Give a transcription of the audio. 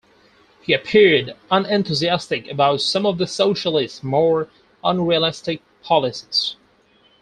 He appeared unenthusiastic about some of the Socialists' more unrealistic policies.